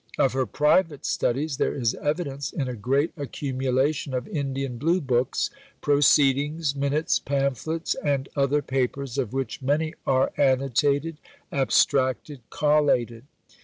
Of her private studies, there is evidence in a great accumulation of Indian Blue books, Proceedings, Minutes, pamphlets, and other papers, of which many are annotated, abstracted, collated.